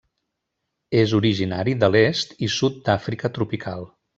És originari de l'est i sud d'Àfrica tropical.